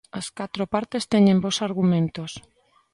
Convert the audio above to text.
As catro partes teñen bos argumentos.